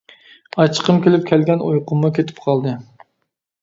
ئاچچىقىم كېلىپ، كەلگەن ئۇيقۇممۇ كېتىپ قالدى.